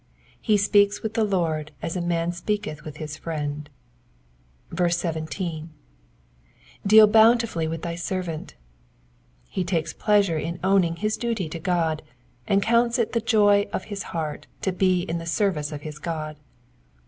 He speaks with the Lord as a man speaketh with his friend. 17. ^^Deal bountifully toitJi thy aervanf*^ He takes pleasure in owning his duty to God, and counts it the joy of his heart to be in the service of his God.